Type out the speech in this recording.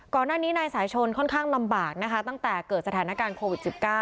ก่อนหน้านี้นายสายชนค่อนข้างลำบากนะคะตั้งแต่เกิดสถานการณ์โควิด๑๙